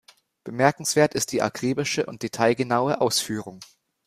Bemerkenswert ist die akribische und detailgenaue Ausführung.